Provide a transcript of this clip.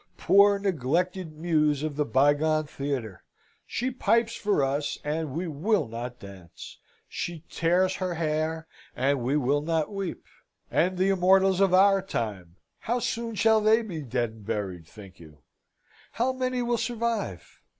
Poor, neglected Muse of the bygone theatre! She pipes for us, and we will not dance; she tears her hair, and we will not weep. And the Immortals of our time, how soon shall they be dead and buried, think you? How many will survive?